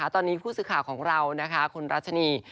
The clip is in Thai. ตอนนี้ผู้สื่อข่าวของเรานะคะคุณรัชนี